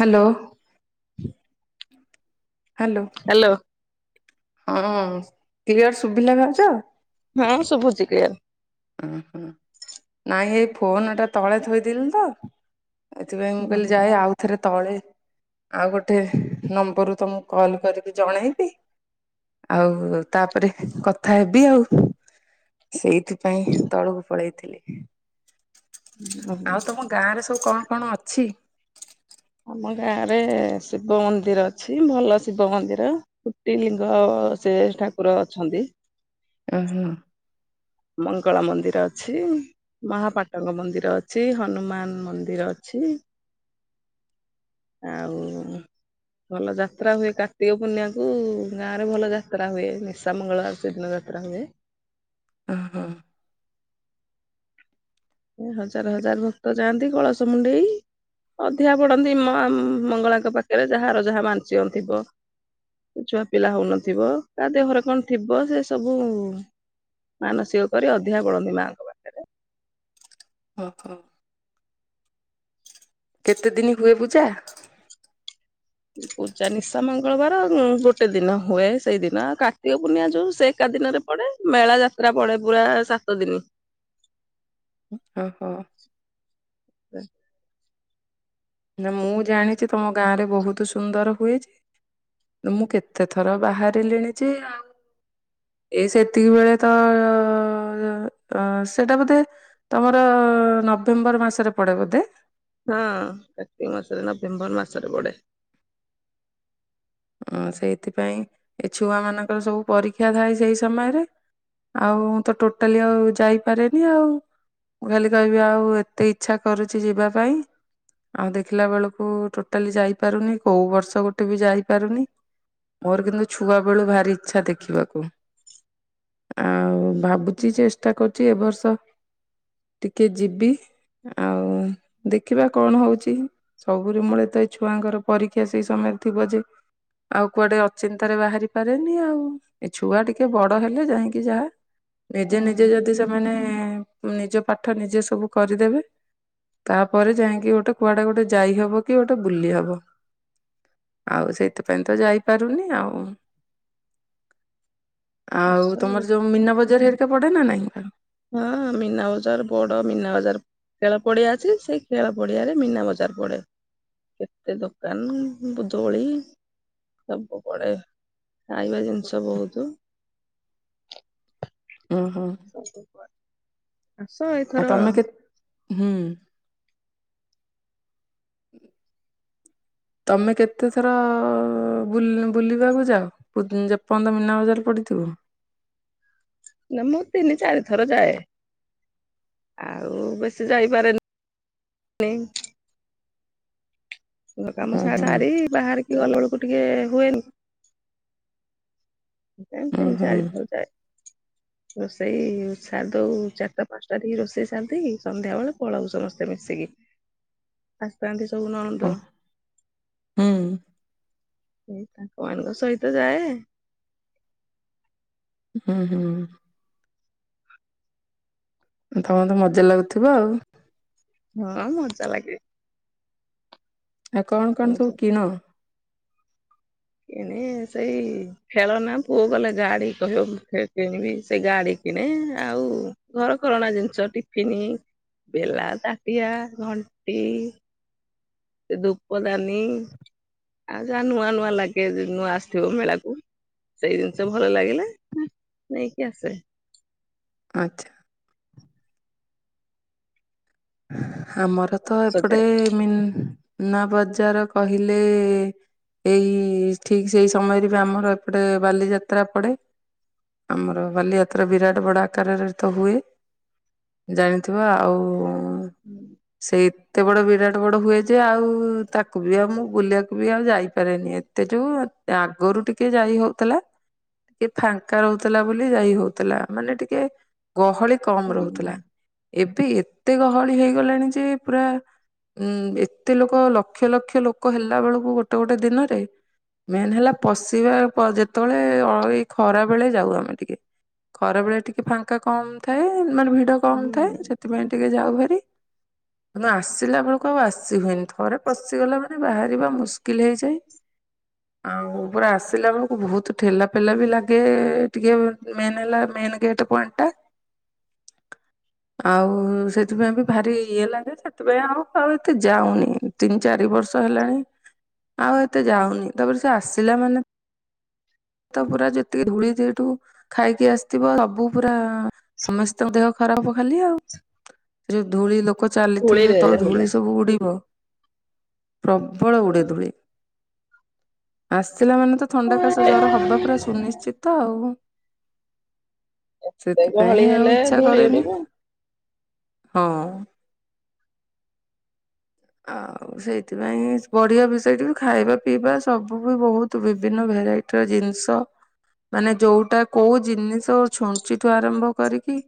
Hello. ହ hello. Hello. ହଁ clear ଶୁଭିଲା ଭାଉଜ? ହଁ ଶୁଭୁଚି କ୍ଲିଅର। ଅହଁ ନାଇଁ ଏଇ ଫୋନଟା ତଳେ ଥୋଇଦେଲି ତ ଏଥିପାଇଁ ମୁଁ କହିଲି ଯାଏ ହୁଁ ଆଉ ଏଥିରେ ତଳେ ଆଉ ଗୋଟେ ନମ୍ବରରୁୁ ତମକୁ କଲ କରିକି ଜଣେଇବି। ଆଉ ତାପରେ କଥା ହେବି ଆଉ ସେଇଥି ପାଇଁ ତଳକୁ ପଳେଇଥିଲି ଆଉ ତମ ଗାଁରେ ସବୁ କଣ କଣ ଅଛି? ଆମ ଗାଁରେ ଶିବ ମନ୍ଦିର ଅଛି ଭଲ ଶିବ ମନ୍ଦିର। କୁଟି ଲିଙ୍ଗ ସେ ଠାକୁର ଅଛନ୍ତି। ଓହୋ। ମଙ୍ଗଳା ମନ୍ଦିର ଅଛି। ମହାପାଟଙ୍କ ମନ୍ଦିର ଅଛି, ହନୁମାନ ମନ୍ଦିର ଅଛି। ଆଉ ଭଲ ଯାତ୍ରା ହୁଏ କାର୍ତ୍ତିକ ପୂର୍ଣ୍ଣିମାକୁୁ ଗାଁରେ ଭଲ ଯାତ୍ରା ହୁଏ ନିଶା ମଙ୍ଗଳବାର ସେଇ ଦିନ ଯା ତ୍ରା ହୁଏ। ଓହୋ। ଏ ହଜାର ହଜାର ଭକ୍ତ ଯାଆନ୍ତି କଳସ ମୁଣ୍ଡେଇ। ଅଧିଆ ପଡନ୍ତି ମାଆ ମଙ୍ଗଳାଙ୍କ ପାଖରେ ଯାହାର ଯାହା ମାନସିକ ଥିବ। କି ଛୁଆ ପିଲା ହୋଉନଥିବ ତା ଦେହରେ କଣ ଥିବ ସେସବୁ ମାନସିକ କରି ଅଧିଆ ପଡ଼ନ୍ତି ମାଆଙ୍କ ପାଖରେ। ଓହୋ। କେତେ ଦିନ ହୁଏ ପୂଜା? ପୂଜା ନିଶା ମଙ୍ଗଳବାର ଗୋଟେ ଦିନ ହୁଏ। ସେଇ ଦିନ କାର୍ତ୍ତିକ ପୂର୍ଣ୍ଣିଆ ଯୋଉ ସେ ଏକା ଦିନରେ ପଡେ ମେଳା ଯାତ୍ରା ପଡେ ପୁରା ସାତ ଦିନ। ଓହୋ। ଏ ନା ମୁଁ ଜାଣିଛି ତମ ଗାଁ ରେ ବହୁତ ସୁନ୍ଦର ହୁଏଛି। ମୁଁ କେତେ ଥର ବାହାରିଲିଣି ଯେ ଆଉ ଏଇ ସେତିକି ବେଳେ ତ ସେଟା ବୋଧେ ତୁମର ନଭେମ୍ବର ମାସରେ ପଡ଼େ ବୋଧେ। ହଁ କାର୍ତ୍ତିକ ମାସରେ ନଭେମ୍ବର ମାସରେ ପଡେ। ହ ସେଇଥିପାଇଁ ଏ ଛୁଆ ମାନଙ୍କର ସବୁ ପରୀକ୍ଷା ଥାଏ ସେଇ ସମୟରେ। ଆଉ ମୁଁ ତ ଟୋଟାଲି ଆଉ ଯାଇପାରେନି ଆଉ। ମୁଁ ଖାଲି କହିବି ଆଉ ଏତେ ଇଚ୍ଛା କରୁଛି ଯିବା ପାଇଁ। ଆଉ ଦେଖିଲା ବେଳକୁ ଟୋଟାଲି ଯାଇପାରୁନି କୋଉ ବର୍ଷ ଗୋଟେ ବି ଯାଇ ପାରୁନି ମୋର କିନ୍ତୁ ଛୁଆ ବେଳୁ ଭାରି ଇଛା ଦେଖିବାକୁ। ଆଉ ଭାବୁଛି ଚେଷ୍ଟା କରୁଛି ଏ ବର୍ଷ। ଟିକେ ଯିବି ଆଉ ଦେଖିବା କଣ ହଉଛି। ସବୁରେ ମୂଳେ ତ ଏଇ ଛୁଆଙ୍କର ପରୀକ୍ଷା ସେଇ ସମୟରେ ଥିବ ଯେ ଆଉ କୁଆ ଟେ ଅଚିନ୍ତା ରେ ବାହାରି ପାରେନି ଆଉ ଏ ଛୁଆ ଟିକେ ବଡ ହେଲେ ଯାଇକି ଯାହା। ନିଜେ ହଁ ନିଜେ ଯଦି ସେମାନେ ନିଜ ପାଠ ନିଜେ ସବୁ କରିଦେବେ। ତାପରେ ଯାଇକି ଗୋଟେ କୁଆଡେ ଗୋଟେ ଯାଇହବ କି ଗୋଟେ ବୁଲି ହବ। ଆଉ ସେଇଥିପାଇଁ ତ ଯାଇପାରୁନି ଆଉ। ଆସ ଆଉ ତମର ଯୋଉ ମିନା ବଜାର ହେରିକା ପଡେ ନା ନାଇଁ। ହଁ ମିନା ବଜାର ବଡ ମିନା ବଜାର। ଖେଳ ପଡିଆ ଅଛି ସେଇ ଖେଳ ପଡିଆରେ ମୀନା ବଜାର ପଡେ। କେତେ ଦୋକାନ ଦୋଳି। ସବୁ ପଡେ ଖାଇବା ଜିନିଷ ବହୁତ। ଓହୋ। ହ ଆସ। ଆଉ ତମେ କେତ ହୁଁ। ତମେ କେତେଥର ବୁଲିବାକୁ ଯାଅ? ଯେପଯ୍ୟନ୍ତ ମୀନା ବଜାର ପଡିଥିବ। ନା ମୁଁ ତିନି ଚାରି ଥର ଯାଏ। ଆଉ ବେଶୀ ଯାଇପାରେନି। କାମ ହୁଁ ସାରି ହୁଁ ବାହାରିକି ଗଲାବେଳକୁ ଟିକେ ହୁଏନି। ନାଇଁ ତିନି ଚାରି ହୁଁ ଥର ଯାଏ। [unintelligible] ରୋଷେଇ ସାରିଦଉ ଚାରିଟା ପାଞ୍ଚଟା ଦେଇକି ରୋଷେଇ ସାରିଦେଇକି ସନ୍ଧ୍ୟା ବେଳେ ପଳଉ ସମସ୍ତେ ମିଶିକି। [unintelligible] ଆସିଥାନ୍ତି ସବୁ ନଣନ୍ଦ। ହୁଁ। ସେଇ ତାଙ୍କ ମାନଙ୍କ ସହିତ ଯାଏ। ହୁଁ ହୁଁ। ତମକୁ ତ ମଜା ଲାଗୁଥିବ ଆଉ। ହଁ ମଜା ଲାଗେ। ନା କଣ କଣ ବହୁତ ସବୁ କିଣ? କିଣେ ସେଇ ଖେଳନା ପୁଅ ଗଲେ ଗାଡି କହିବ ମୁଁ କିଣିବି ସେ ଗାଡି କିଣେ ଆଉ। ଘରକରଣା ଜିନିଷ ଟିଫିନ୍ ବେଲା ତାତିଆ ଘଣ୍ଟି। ସେ ଧୂପ ଦାନୀ ଆଉ ଯାହା ନୂଆ ନୂଆ ଲାଗେ ଉଁ ନୂଆ ଆସିଥିବ ମେଳାକୁ। ସେଇ ଜିନିଷ ଭଲ ଲାଗିଲେ ଉଁ ନେଇକି ଆସେ। ଆଚ୍ଛା। ଆମର ତ ଏପଟେ ସଜାଏ ମିନା ବଜାର କହିଲେ। ଏଇ ଠିକ୍ ସେଇ ସମୟରେ ବି ଆମର ଏପଟେ ବାଲିଯାତ୍ରା ପଡେ। ଆମର ବାଲିଯାତ୍ରା ବିରାଟ ବଡ଼ ଆକାରରେତ ହୁଏ। ଜାଣିଥିବା ଆଉ ହୁଁ। ସେଇତ୍ ଏତେ ବଡ ବିରାଟ ବଡ ହୁଏ ଯେ ଆଉ ତାକୁ ବି ଆଉ ମୁଁ ବୁଲିବାକୁ ବି ଆଉ ଯାଇପାରେନି। ଏତେରୁ ସେ ଆଗରୁ ଟିକେ ଯାଇ ହଉଥିଲା। ଟିକେ ଫାଙ୍କା ରହୁଥିଲା ବୋଲି ଯାଇ ହଉଥିଲା ମାନେ ଟିକେ ଗହଳି କମ ରହୁଥିଲା ହୁଁ ଏବେ ଏତେ ଗହଳି ହେଇଗଲାଣି ଯେ ପୁରା ଉଁ ଏତେ ଲୋକ ଲକ୍ଷ ଲକ୍ଷ ଲୋକ ହେଲା ବେଳକୁ ଗୋଟେ ଗୋଟେ ଦିନରେ ମେନ୍ ହେଲା ପଶିବା ପ ଯେତେବେଳେ ଏଇ ଖରା ବେଳେ ଯାଉ ଆମେ ଟିକେ ଖରା ବେଳେ ଟିକେ ଫାଙ୍କା କମ୍ ଥାଏ ମନେ ଭିଡ କମ୍ ଥାଏ। ସେଥିପାଇଁ ଟିକେ ଯାଉ ଭାରି। କିନ୍ତୁ ଆସିଲା ବେଳକୁ ଆଉ ଆସି ହୁଏନି ଥରେ ପଶିଗଲା ମାନେ ବାହାରିବା ମୁସ୍କିଲ୍ ହେଇଯାଏ। ହ ଆଉ ପୁରା ଆସିଲା ବେଳକୁ ବହୁତ ଠେଲା ଫେଲା ବି ଲାଗେ ଟିକେ ମେନ୍ ହେଲା ମେନ୍ ଗେଟ୍ [unintelligible] ଆଉ ସେ ସେଥିପାଇଁ ବି ଭାରି ଇଏ ଲାଗେ ସେଥିପାଇଁ ଆଉ ଫାଉ ଏତେ ଯାଉନି ତିନି ଚାରି ବର୍ଷ ହେଲାଣି। ଆଉ ଏତେ ଯାଉନି ତାପରେ ସେ ଆସିଲା ମାନେ ତ ପୁରା ଯେ ଟିକେ ଧୂଳି ଯେଇଠୁ ଖାଇକି ଆସିଥିବ। ସବୁ ପୁରା ସମସ୍ତଙ୍କ ଦେହ ଖରାପ ଖାଲି। ସ୍ ସେ ଯୋଉ ଧୂଳି ଲୋକ ଚାଲିଥିବେ ତଳ ହେଲା ଧୂଳି ସବୁ ଉଡିବ। ପ୍ରବଳ ଉଡ଼େଧୂଳି। ଆସିିଲା ମାନେ ତ ଥଣ୍ଡା କାଶ ଜର ହବା ପୁରା ସୁନିଶ୍ଚିତ ଆଉ। ସେ ଗହଳି ସେଥିପାଇଁ ଆଉ ହେଲେ ଇଚ୍ଛା ଧୂଳି କରେନି। ଉଡିବ ହଁ। ଆଉ। ସେଇଥିପାଇଁ ବଢିଆ ମିଷେଇଟିବି ଖାଇବା ପିଇବା ସବୁ ବି ବହୁତ ବିଭିନ୍ନ ଭେରାଇଟ। ଟି ଜିନିଷ। ମାନେ ଯୋଉଟା କୋଉ ଜିନିଷ ଛୁଞ୍ଚିଠୁ ଆରମ୍ଭ କରିକି।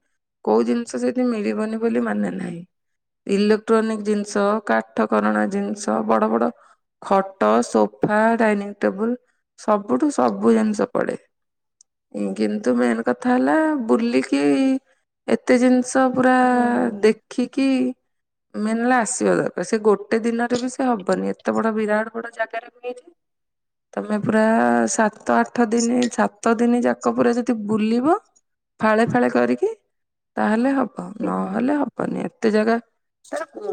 କୋଉ ଜିନିଷ ସେଠି ମିଳିବନି ବୋଲି ମାନେ ନାହିଁ। ଇଲେକ୍ଟ୍ରୋନିକ ଜିନିଷ। କାଠକରଣା ଜିନିଷ ବଡ ବଡ ଖଟ ସୋଫା ଡାଇନିଂ ଟେବୁଲ ସବୁଠୁ ସବୁ ଜିନିଷ ପଡେ। କିନ୍ତୁ ମେନ୍ କଥା ହେଲା ବୁଲିକି ଏତେ ଜିନିଷ ପୁରା ହୁଁ ଦେଖିକି ମେନ୍ ହେଲା ଆସିବା ଦର ସେ ଗୋଟେ ଦିନରେ ବି ସେ ହବନି ଏତେ ବଡ ବିରାଟ ବଡ ଜାଗାରେ ବି ହେଇ ତମେ ପୁରା ସାତ ଆଠ ଦିନ ସାତ ଦିନ ଯାକ ପୁରା ଯଦି ବୁଲିବ। ଫାଳେ ଫାଳେ କରିକି। ତାହେଲେ ହବ ନହେଲେ ହବନି ଏତେ ଜାଗା। କମ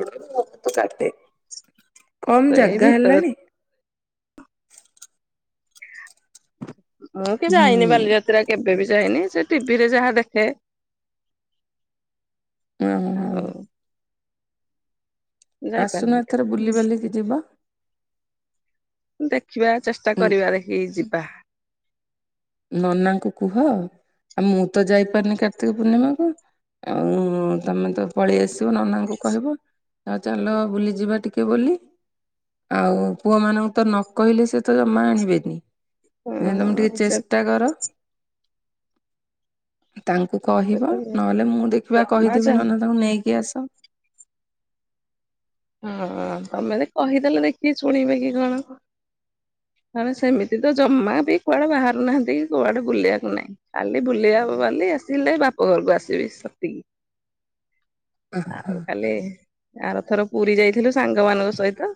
ସେଇ ଜାଗା ଭିତରେ ହେଲାଣି। ମୁଁ କି ଯାଇନି ହୁଁ ବାଲିଯାତ୍ରା କେବେ ବି ଯାଇନି ସେ ଟି ଭିରେ ଯାହା ଦେଖେ। ହୁଁ ହୁଁ ହୁଁଁ। ଆଉ ଆସୁନ ଯାଇପାରିନି ଏଥର କେବେ ବୁଲି ବାଲିକି ଯିବା। ଦେଖିବା ଚେଷ୍ଟା ହୁଁ କରିବା ଦେଖିକି ଯିବା। ନନାଙ୍କୁ କୁହ ଆଉ ମୁଁ ତ ଯାଇପାରୁିନି କାର୍ତ୍ତିକ ପୂର୍ଣ୍ଣିମାକୁ। ଆଉ ତମେ ତ ପଳେଇ ଆସିବ ନନାଙ୍କୁ କହିବ। ଆଉ ଚାଲ ବୁଲିଯିବା ଟିକେ ବୋଲି। ଆଉ ପୁଅ ମାନଙ୍କୁ ତ ନ କହିଲେ ସେ ତ ଜମା ଆଣିବେନି। ଯେ ତମେ ଟିକେ ହଁ ସେ ଚେଷ୍ଟା କର ତାଙ୍କୁ। କହିବ ନହେଲେ ମୁଁ ଦେଖିବା ଜମା କହିଦେବି ଚାହୁଁ ନହଲେ ତାଙ୍କୁ ନେଇକି ଆସ। ହଁ ତମେ ତ କହିଦେଲେ ଦେଖିକି ଶୁଣିବେ କି କଣ। ମାନେ ସେମିତି ତ ଜମା ବି କୁଆଡେ ବାହାରୁ ନାହାନ୍ତି କି କୁଆଡେ ବୁଲେଈବାକୁ ନାହିଁ। ଖାଲୀ ବୁଲୀ ହବ ବୋଲି ଆସିଲେ ବାପ ଘରକୁ ଆସିବି ସେତିକି। ଆଉ ଖାଲି ଆରଥର ପୁରୀ ଯାଇଥିଲୁ ସାଙ୍ଗ ମାନଙ୍କ ସହିତ।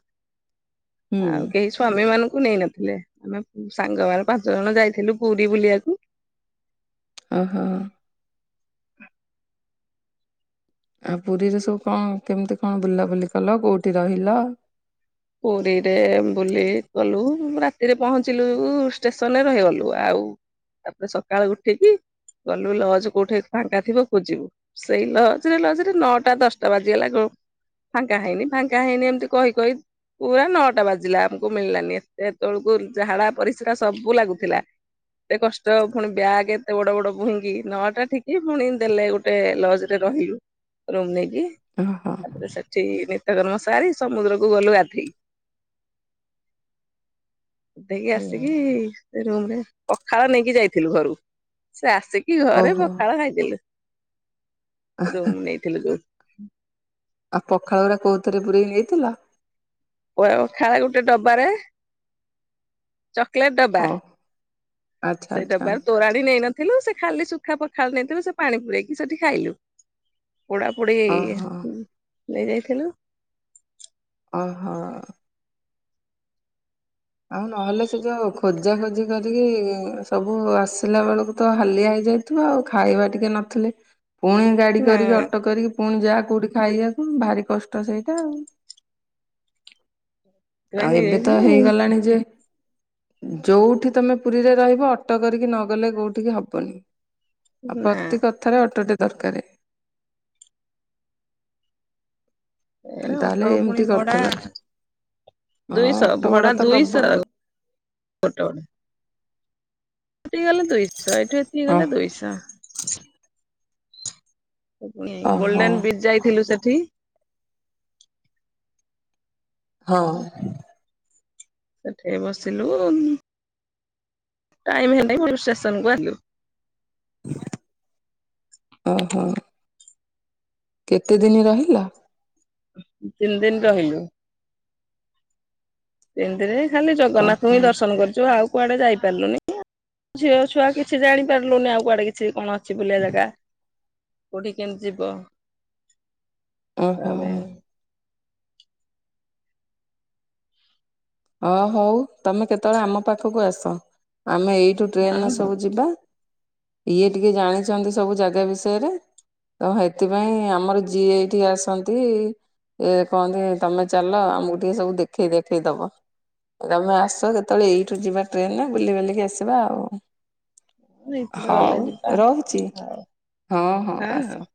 ହୁଁ ଆଉ କେହି ସ୍ଵାମୀ ମାନଙ୍କୁ ନେଇନଥିଲେ ଆମେ ସାଙ୍ଗମାନେ ପାଞ୍ଚ ଜଣ ଯାଇଥିଲୁ ପୁରୀ ବୁଲିବାକୁ। ଓହୋ। ଆଉ ପୁରୀରେ ସବୁ କଣ କେମିତି କଣ ବୁଲାବୁଲି କଲ, କୋଉଠି ରହିଲ? ପୁରୀରେ ବୁଲି ଗଲୁ ରାତିରେ ପହଞ୍ଚିଲୁ ଷ୍ଟେସନରେ ରହିଗଲୁ ଆଉ। ତାପରେ ସକାଳୁ ଉଠିକି ଗଲୁ ଲଜ କୋଉଠି ଫାଙ୍କା ଥିବ ଖୋଜିବୁ। ସେଇ ଲଜରେ ଲଜରେ ନଅଟା ଦଶଟା ବାଜିଗଲା କ। ଫାଙ୍କା ହେଇନି ଫାଙ୍କା ହେଇନି ଏମିତି କହି। ପୁରା ନଅଟା ବାଜିଲା ଆମକୁ ମିଳିଲାନି ଏତେ ତେବେଳକୁ ଝାଡା ପରିସ୍ରା ସବୁ ଲାଗୁଥିଲା। ଏତେ କଷ୍ଟ ପୁଣି ବ୍ୟାଗ୍ ଏତେ ବଡ ବଡ ବୁହିଙ୍କି ନଅଟା ଠିକି ପୁଣି ଦେଲେ ଗୋଟେ। ଲଜ ରେ ରହିଲୁ ରୁମ ନେଇକି। ଓହୋ ତାପରେ ସେଠି ନିତ୍ୟକର୍ମ ସାରି ସମୁଦ୍ରକୁ ଗଲୁ ଗାଧେଇ ଦେଇକି ହୁଁ ଆସିକି। ରୁମ ରେ, ପଖାଳ ନେଇକି ଯାଇଥିଲୁ ଘରୁ, ସେ ଆସିକି ଘରେ ଓହୋ ପଖାଳ ଖାଇଥିଲୁ। ରୁମ୍ ନେଇଥିଲୁ ଦୁଇ। ଆଉ ପଖାଳ ଗୁଡା କୋଉଥରେ ପୁରେଇକି ନେଇଥିଲ। ପଖାଳ ଗୋଟେ ଡବାରେ। ଚକୋଲେଟ ଡବା, ଓହୋ ଆଚ୍ଛା ସେଇ ଆଚ୍ଛା ଡବାର ତୋରାଣି ନେଇନଥିଲୁ। ଥିଲୁ ସେ ଖାଲି ଶୁଖା ପଖାଳ ନେଇଥିଲୁ ସେ ପାଣି ପୁରେଇକି ସେଠି ଖାଇଲୁ। ପୋଡା ପୋଡି ଓହୋ ନେଇ ଯାଇଥିଲୁ। ଓହୋ। ଆଉ ନହେଲେ ସେ ଯୋଉ ଖୋଜା ଖୋଜି କରିକି ସବୁ ଆସିଲା ବେଳକୁ ତ ହାଲିଆ ହେଇଯାଇ ଆଉ ଖାଇବା ଟିକେ ନଥିଲେ ପୁଣି। ଗାଡି ହଁ କରିକି ଅଟୋ କରିକି ପୁଣି ଯା କୋଉଠି ଖାଇବାକୁ ଭାରି କଷ୍ଟ ସେଇଟା ଆଉ। ସେଥିପାଇଁ ଆଉ ନେଇ ଏବେ ତ ଯାଇଥିଲୁ ଆଉ। ହେଇଗଲାଣି ଯେ। ଯୋଉଠି ତମେ ପୁରୀରେ ରହିବ ଅଟୋ କରିକି ନଗଲେ କୋଉଠିକି ହବନି। ଆଉ ନା ପ୍ରତି କଥାରେ ଅଟୋଟେ ଦରକାର। ଏ ତାହେଲେ ଓଟ ଏମିତି ପୁଣି ଭଡା, କରିଥିଲ ହଁ ଦୁଇଶହ ଅଟୋ ଭଡା ତ ପ୍ରବଳ ଦୁଇଶହ। ଅଟ ଠିକି ଗଲେ ଦୁଇଶହ ଏଇଠୁ ଏତିକି ଗଲେ ଦୁଇଶହ। ପୁଣି ଓହୋ ଗୋଲ୍ଡେନ ବୀଚ ଯାଇଥିଲୁ ସେଠି। ହଁ। ସେଠି ବସିଲୁ ଟାଇମ ହେଲାରୁ ଷ୍ଟେସନ କୁ ଆସିଲୁ ଓହୋ। କେତେ ଦିନ ରହିଲ ତିନି ଦିନ ରହିଲୁ ସେମିତିରେ ଖାଲି ଜଗନ୍ନାଥଙ୍କୁ ଓହୋ ହିଁ ଦର୍ଶନ କରିଛୁ ଆଉ, କୁଆଡେ ଯାଇ ପାରିଲୁନି ଝିଅ ଛୁଆ କିଛି ଜାଣି ପାରିଲୁନି ଆଉ କୁଆଡେ କିଛି କଣ କିଛି ବୁଲିବା ଜାଗା କୋଉଠି କେମତି ଯିବ ଓହୋ। ଆମେ ହ ହଉ ତମେ କେତେବେଳେ ଆମ ପାଖକୁ ଆସ ଆମେ ଏଇଠ ହଁ ଟ୍ରେନରେ ହଁ ସବୁ ଯିବା ଇଏ ଟିକେ ଜାଣିଛନ୍ତି ସବୁ ଜାଗା ବିଷୟରେ ତ ସେଥିପାଇଁ ଆମର ଯିଏ ଏଠିକି ଆସନ୍ତି ଏ କହନ୍ତି ତମେ ଚାଲ ଆମକୁ ଟିକେ ସବୁ ଦେଖେଇ ଦେଖେଇ ଦବ। ତମେ ଆସ କେତେବେଳେ ଏଇଠୁ ଯିବା ଟ୍ରେନରେ ବୁଲି ବାଲିକି ଆସିବା ଆଉ ଏଇଥିରେ ଗଲେ ଯିବା ହଉ ରହୁଛି ଆଉ ହଁ ହଁ ଆସ।